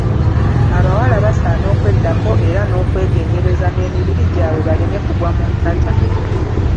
Abawala basaana okweddako era n'okwegendereza n'emibiri gyabwe baleme kugwa mu ntata.